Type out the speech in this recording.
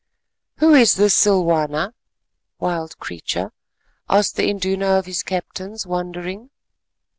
"Who is this Silwana (wild creature)?" asked the Induna of his captains wondering.